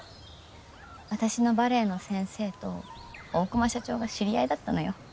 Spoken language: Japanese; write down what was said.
私のバレエの先生と大熊社長が知り合いだったのよ。